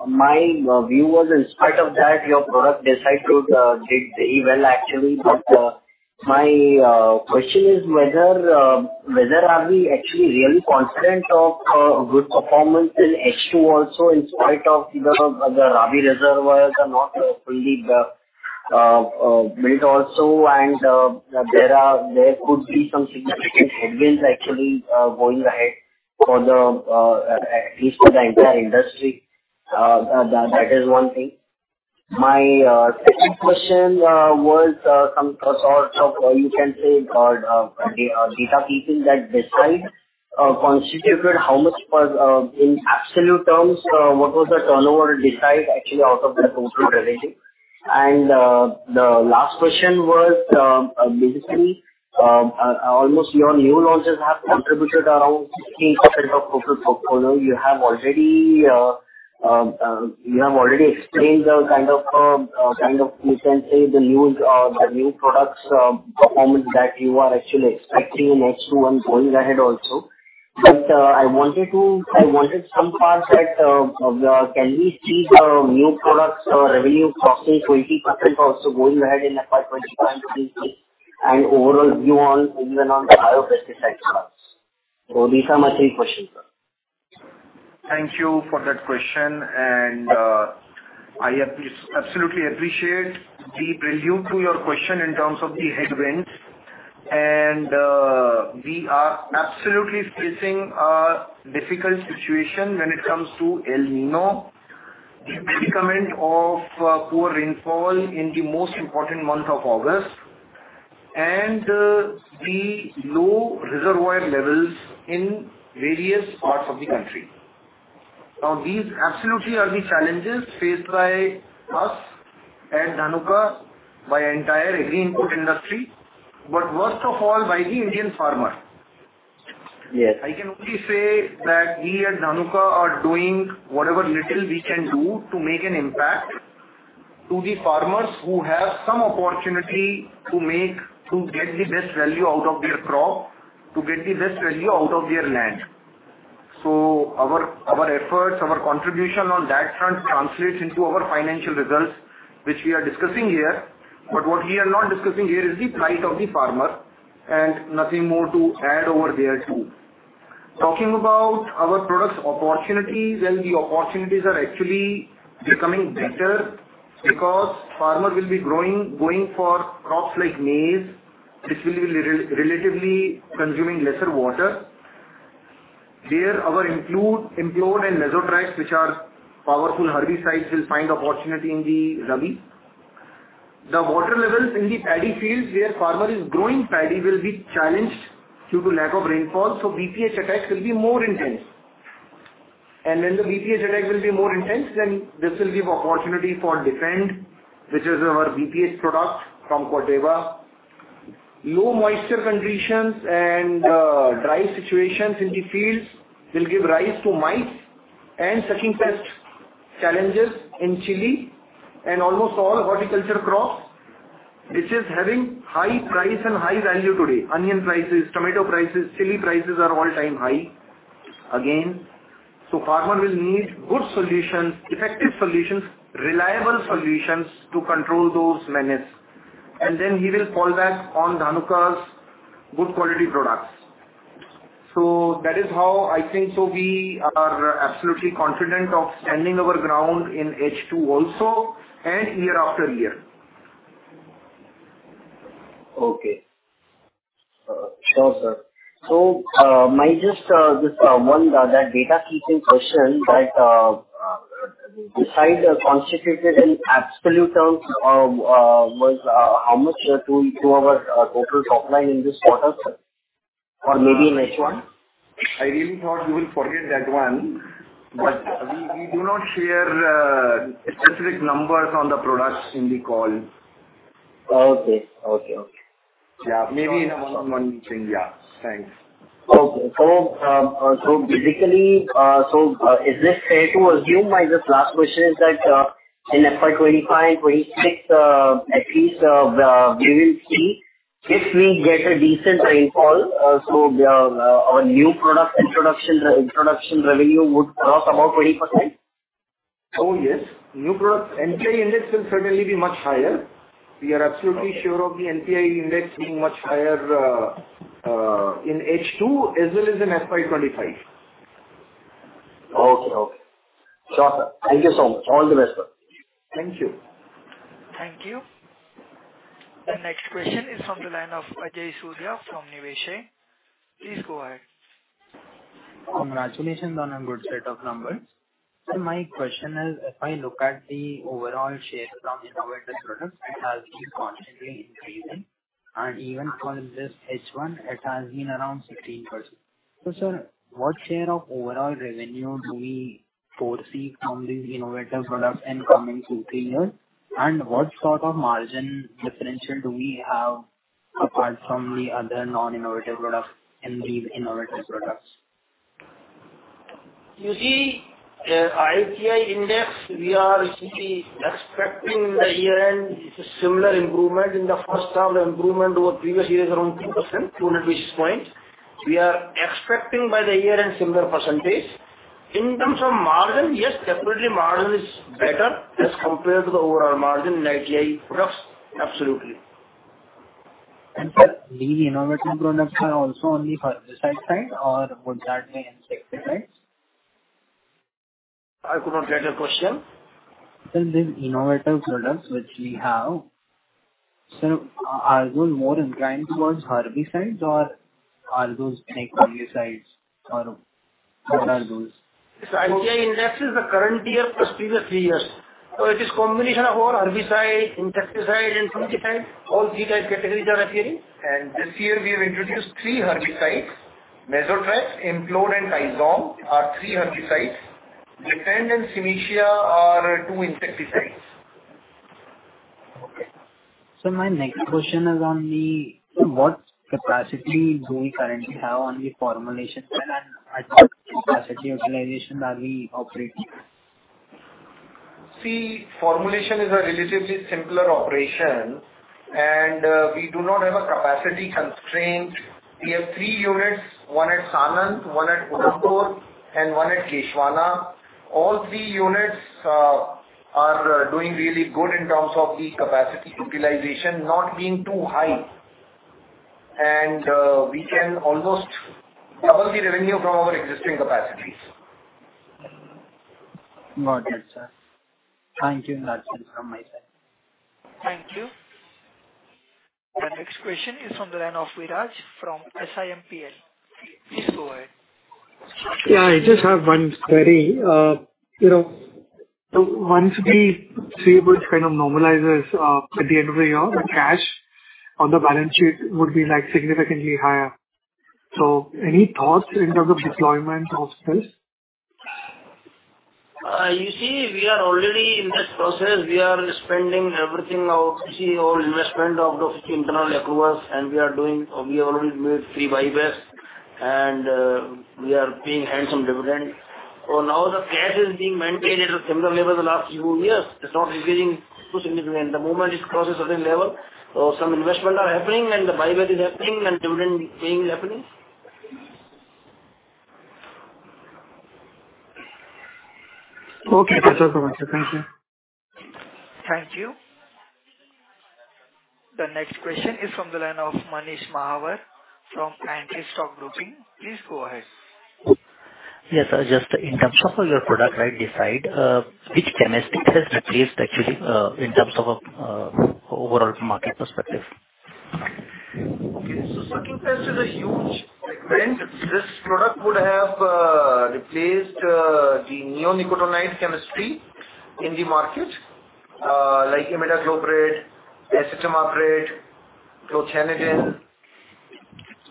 my view was, in spite of that, your product Decide to did very well, actually. My question is whether we are actually really confident of good performance in H2 also, in spite of the Rabi reservoirs are not fully built also, and there could be some significant headwinds actually going ahead for the at least for the entire industry. That is one thing. My second question was some sort of, you can say, data keeping that Decide constituted how much was in absolute terms what was the turnover Decide actually out of the total revenue? And the last question was basically almost your new launches have contributed around 60% of total portfolio. You have already explained the kind of, kind of, you can say, the new, the new products, performance that you are actually expecting in H2 and going ahead also. But, I wanted to... I wanted some parts that, can we see the new products or revenue crossing 20% also going ahead in the fiscal year and overall view on, even on the biopesticide products. So these are my three questions, sir. Thank you for that question, and, I absolutely appreciate the prelude to your question in terms of the headwinds. We are absolutely facing a difficult situation when it comes to El Niño, the recurrent of poor rainfall in the most important month of August, and, the low reservoir levels in various parts of the country. Now, these absolutely are the challenges faced by us at Dhanuka, by entire agri-input industry, but worst of all, by the Indian farmer. Yes. I can only say that we at Dhanuka are doing whatever little we can do to make an impact to the farmers who have some opportunity to get the best value out of their crop, to get the best value out of their land. So our efforts, our contribution on that front translates into our financial results, which we are discussing here. But what we are not discussing here is the plight of the farmer, and nothing more to add over there, too. Talking about our product opportunities, well, the opportunities are actually becoming better because farmer will be going for crops like maize, which will be relatively consuming lesser water. There, our Implode and Mesotrax, which are powerful herbicides, will find opportunity in the Rabi. The water levels in the paddy fields, where farmer is growing paddy, will be challenged due to lack of rainfall, so BPH attacks will be more intense. When the BPH attack will be more intense, then this will give opportunity for Defend, which is our BPH product from Corteva. Low moisture conditions and dry situations in the fields will give rise to mites and sucking pest challenges in chili and almost all horticulture crops, which is having high price and high value today. Onion prices, tomato prices, chili prices are all-time high again. So farmer will need good solutions, effective solutions, reliable solutions to control those menace. And then he will fall back on Dhanuka's good quality products. That is how I think so we are absolutely confident of standing our ground in H2 also, and year after year. Okay. Sure, sir. So, my just one that data keeping question that besides are constituted in absolute terms was how much to our total top line in this quarter, sir, or maybe in H1? I really thought you will forget that one, but we do not share specific numbers on the products in the call. Okay. Yeah, maybe have someone saying, yeah, thanks. Okay. So, basically, is it fair to assume by this last question is that, in FY 2025, 2026, at least, we will see if we get a decent rainfall, so our new product introduction, the introduction revenue would cross about 20%? Oh, yes. New product NPI index will certainly be much higher. We are absolutely sure of the NPI index being much higher in H2 as well as in FY 25. Okay. Okay. Sure, sir. Thank you so much. All the best, sir. Thank you. Thank you. The next question is from the line of Ajay Surya from Nivesh India. Please go ahead. Congratulations on a good set of numbers. My question is, if I look at the overall share from innovative products, it has been constantly increasing, and even for this H1, it has been around 16%. Sir, what share of overall revenue do we foresee from these innovative products in coming 2-3 years? And what sort of margin differential do we have, apart from the other non-innovative products and these innovative products? You see, ITI Index, we are simply expecting the year-end similar improvement. In the first term, the improvement over previous years, around 2%, 200 basis points. We are expecting by the year-end similar percentage. In terms of margin, yes, definitely margin is better as compared to the overall margin in ITI products. Absolutely. Sir, the innovative products are also only for this side, or would that be insecticide? I could not get your question. Sir, these innovative products which we have, sir, are those more inclined towards herbicides, or are those insecticides, or what are those? ITI Index is the current year plus previous three years. It is combination of all herbicide, insecticide, and fungicide. All three types categories are appearing, and this year we have introduced three herbicides. Mesotrax, Implode, and Tizom are three herbicides. Defend and Semcia are two insecticides. Okay. So my next question is, what capacity do we currently have on the formulation and capacity utilization that we operate? See, formulation is a relatively simpler operation, and, we do not have a capacity constraint. We have three units, one at Sanand, one at Udhampur, and one at Keshwana. All three units, are doing really good in terms of the capacity utilization, not being too high. And, we can almost double the revenue from our existing capacities. Got it, sir. Thank you. That's it from my side. Thank you. The next question is from the line of Viraj from SiMPL. Please go ahead. Yeah, I just have one query. You know, so once we see which kind of normalizes at the end of the year, the cash on the balance sheet would be, like, significantly higher. So any thoughts in terms of deployment of this? You see, we are already in this process. We are spending everything now. You see all investment of the internal accruals, and we are doing... We already made three buybacks, and, we are paying handsome dividend. So now the cash is being maintained at a similar way over the last few years. It's not decreasing too significantly. The moment it crosses a certain level, some investment are happening, and the buyback is happening, and dividend paying is happening. Okay. That's all from my side. Thank you. Thank you. The next question is from the line of Manish Mahawar from Antique Stock Broking. Please go ahead. Yes, sir. Just in terms of your product, right, Decide, which chemistry has replaced actually, in terms of, overall market perspective? Okay. So second test is a huge event. This product would have replaced the neonicotinoid chemistry in the market, like imidacloprid, acetamiprid, clothianidin.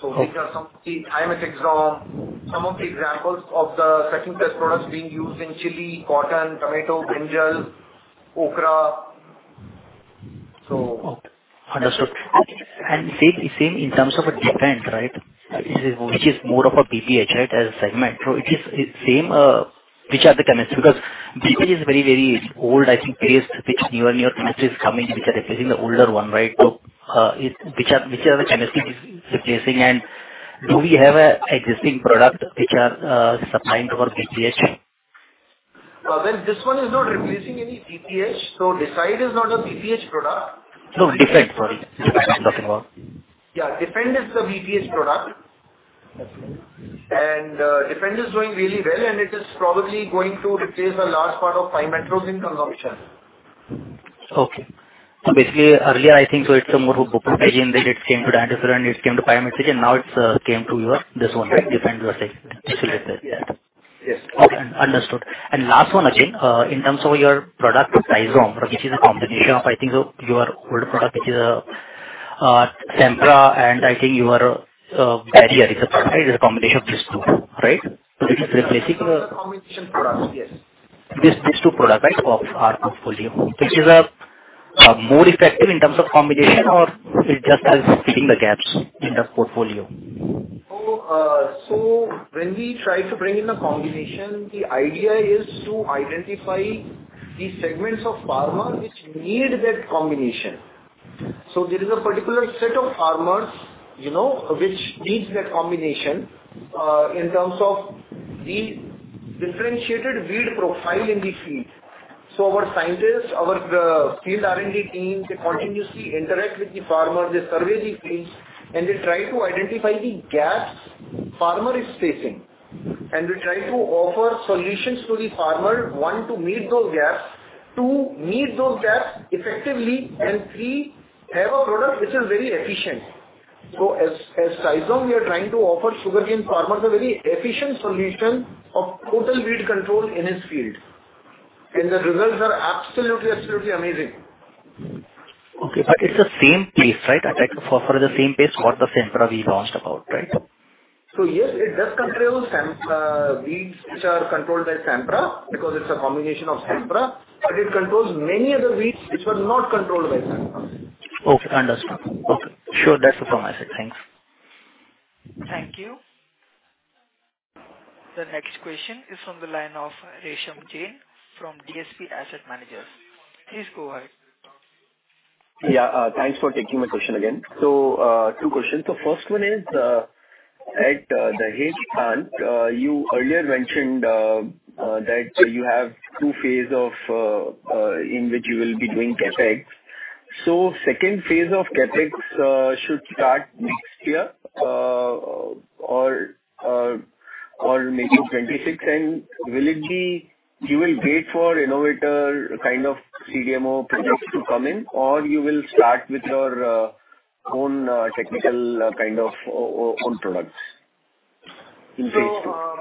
So these are some of the... thiamethoxam. Some of the examples of the second test products being used in chili, cotton, tomato, brinjal, okra. So- Understood. And same, the same in terms of a Defend, right? Which is more of a BPH, right, as segment. So it is same, which are the chemistry? Because BPH is very, very old, I think, place which newer and newer chemistry is coming, which are replacing the older one, right? So, which are, which are the chemistry is replacing, and do we have a existing product which are, supplying to our BPH? Well, this one is not replacing any BPH, so Decide is not a BPH product. No, Defend, sorry. Defend I'm talking about. Yeah, Defend is the BPH product. Okay. Defend is doing really well, and it is probably going to replace a large part of Pymetrozine in consumption. Okay. So basically, earlier, I think so it's more of a Buprofezin, then it came to Dinotefuran, and it came to Pymetrozine, and now it's came to your, this one, right? Defend, you are saying. Yes. Okay, understood. And last one, again, in terms of your product, Tizom, which is a combination of, I think, your old product, which is a- Sempra, and I think your Barrier is a product, is a combination of these two, right? So it is replacing- Combination products, yes. These two products, right, of our portfolio. Which is more effective in terms of combination or it just as filling the gaps in the portfolio? So, so when we try to bring in a combination, the idea is to identify the segments of pharma which need that combination. So there is a particular set of farmers, you know, which needs that combination, in terms of the differentiated weed profile in the field. So our scientists, our field R&D team, they continuously interact with the farmer, they survey the fields, and they try to identify the gaps farmer is facing. And we try to offer solutions to the farmer, one, to meet those gaps; two, meet those gaps effectively; and three, have a product which is very efficient. So as Tizom, we are trying to offer sugarcane farmer the very efficient solution of total weed control in his field. And the results are absolutely, absolutely amazing. Okay. But it's the same place, right? I take for, for the same place what the Sempra we launched about, right? So yes, it does control Sempra weeds, which are controlled by Sempra, because it's a combination of Sempra, but it controls many other weeds which were not controlled by Sempra. Okay, understood. Okay. Sure, that's what I said. Thanks. Thank you. The next question is from the line of Resham Jain from DSP Asset Managers. Please go ahead. Yeah, thanks for taking my question again. So, two questions. So first one is, at the headcount, you earlier mentioned, that you have two phases of, in which you will be doing CapEx. So second phase of CapEx, should start next year, or, or maybe 2026, and will it be you will wait for innovator kind of CDMO products to come in, or you will start with your, own, technical, kind of own products in phase two? So,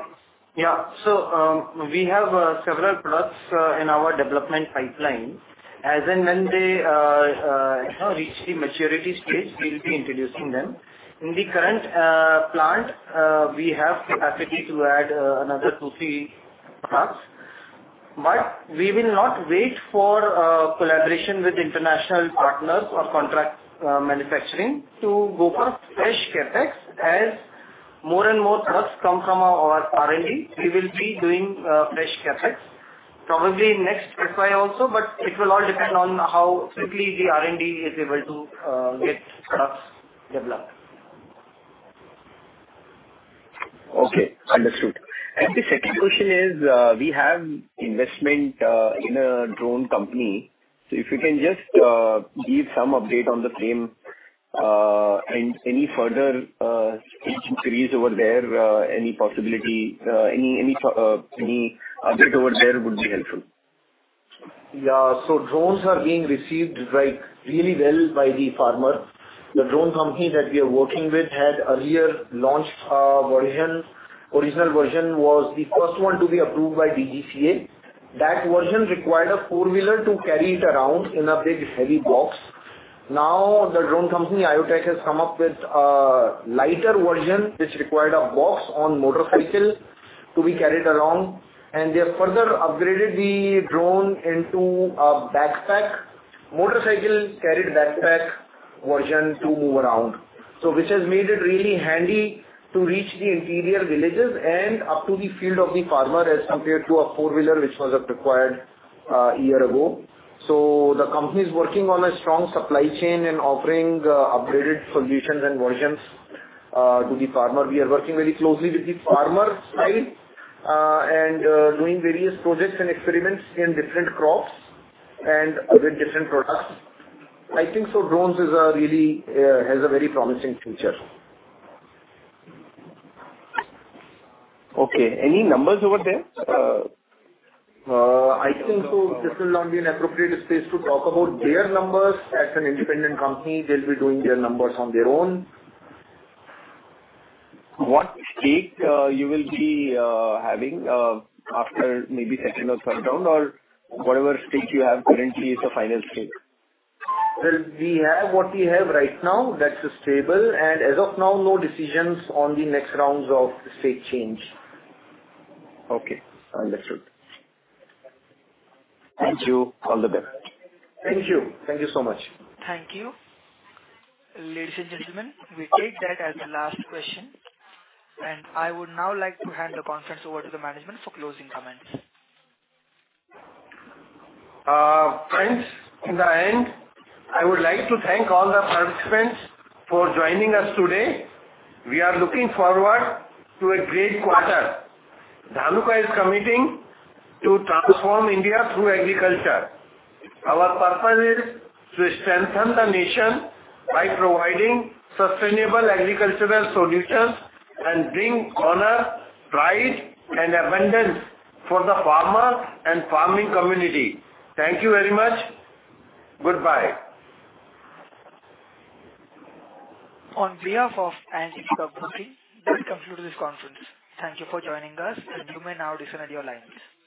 yeah. We have several products in our development pipeline. As and when they, you know, reach the maturity stage, we'll be introducing them. In the current plant, we have the ability to add another 2, 3 products. But we will not wait for collaboration with international partners or contract manufacturing to go for fresh CapEx. As more and more products come from our R&D, we will be doing fresh CapEx, probably next FY also, but it will all depend on how quickly the R&D is able to get products developed. Okay, understood. The second question is, we have investment in a drone company. So if you can just give some update on the same, and any further series over there, any possibility, any update over there would be helpful. Yeah. So drones are being received, like, really well by the farmers. The drone company that we are working with had earlier launched a version. Original version was the first one to be approved by DGCA. That version required a four-wheeler to carry it around in a big, heavy box. Now, the drone company, IoTech, has come up with a lighter version, which required a box on motorcycle to be carried around, and they have further upgraded the drone into a backpack. Motorcycle carried backpack version to move around. So which has made it really handy to reach the interior villages and up to the field of the farmer as compared to a four-wheeler, which was required a year ago. So the company is working on a strong supply chain and offering upgraded solutions and versions to the farmer. We are working very closely with the farmer side, and doing various projects and experiments in different crops and with different products. I think so drones is a really, has a very promising future. Okay. Any numbers over there? I think so this will not be an appropriate space to talk about their numbers. As an independent company, they'll be doing their numbers on their own. What stake you will be having after maybe second or third round, or whatever stake you have currently is the final stake? Well, we have what we have right now, that's stable, and as of now, no decisions on the next rounds of stake change. Okay, understood. Thank you. All the best. Thank you. Thank you so much. Thank you. Ladies and gentlemen, we take that as the last question, and I would now like to hand the conference over to the management for closing comments. Friends, in the end, I would like to thank all the participants for joining us today. We are looking forward to a great quarter. Dhanuka is committing to transform India through agriculture. Our purpose is to strengthen the nation by providing sustainable agricultural solutions and bring honor, pride, and abundance for the farmer and farming community. Thank you very much. Goodbye. On behalf of Antique Stock Broking, that concludes this conference. Thank you for joining us. You may now disconnect your lines.